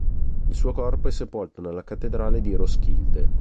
Il suo corpo è sepolto nella cattedrale di Roskilde.